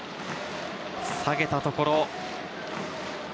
下げたところ。